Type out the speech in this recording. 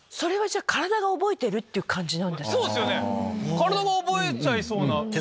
体が覚えちゃいそうな。